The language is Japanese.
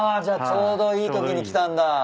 じゃちょうどいいときに来たんだ。